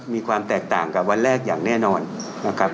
มีความแตกต่างกับวันแรกอย่างแน่นอนนะครับ